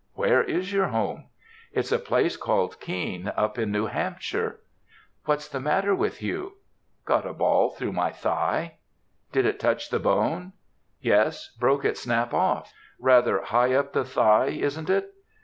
"Where is your home?" "It's a place called Keene, up in New Hampshire." "What's the matter with you?" "Got a ball through my thigh." "Did it touch the bone?" "Yes, broke it snap off." "Rather high up the thigh, isn't it?"